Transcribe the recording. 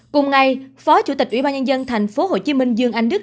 cùng ngày phó chủ tịch ủy ban nhân dân tp hcm dương anh đức